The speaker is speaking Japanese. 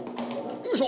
よいしょ！